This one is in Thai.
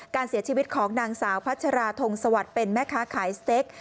การเสียชีวิตของนางสาวพัชราธงสวัสดิ์เป็นแม่ค้าขายสเต็ก